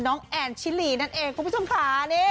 แอนชิลีนั่นเองคุณผู้ชมค่ะ